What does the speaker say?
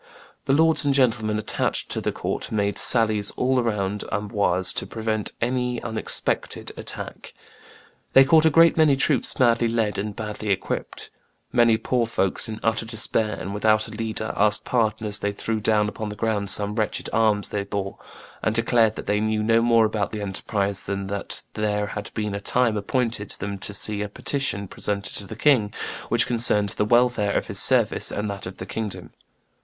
The lords and gentlemen attached to the court made sallies all around Amboise to prevent any unexpected attack. "They caught a great many troops badly led and badly equipped. Many poor folks, in utter despair and without a leader, asked pardon as they threw down upon the ground some wretched arms they bore, and declared that they knew no more about the enterprise than that there had been a time appointed them to see a petition presented to the king which concerned the welfare of his service and that of the kingdom."